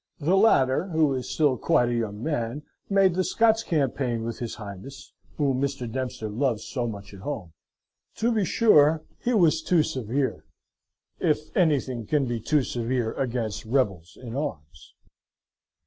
The latter, who is still quite a young man, made the Scots campaign with his Highness, whom Mr. Dempster loves so much at home. To be sure, he was too severe: if anything can be top severe against rebels in arms.